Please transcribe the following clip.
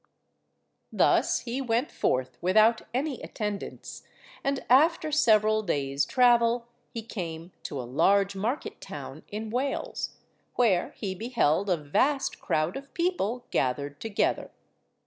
Thus he went forth without any attendants, and after several days' travel he came to a large market–town in Wales, where he beheld a vast crowd of people gathered together.